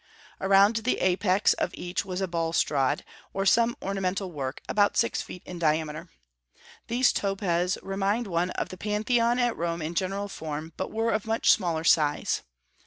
Around the apex of each was a balustrade, or some ornamental work, about six feet in diameter. These topes remind one of the Pantheon at Rome in general form, but were of much smaller size.